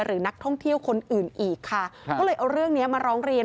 หรือนักท่องเที่ยวคนอื่นอีกค่ะก็เลยเอาเรื่องนี้มาร้องเรียน